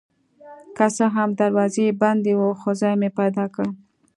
که څه هم دروازه یې بنده وه خو ځای مې پیدا کړ.